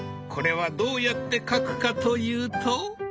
これはどうやって描くかというと。